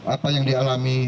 apa yang dialami